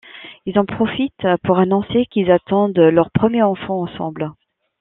Ils en profitent pour annoncer qu'ils attendent leur premier enfant ensemble.